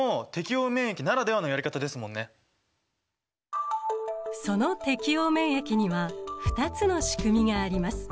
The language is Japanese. そっかその適応免疫には２つのしくみがあります。